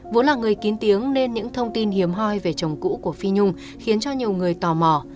vốn là người kín tiếng nên những thông tin hiếm hoi về chồng cũ của phi nhung khiến cho nhiều người tò mò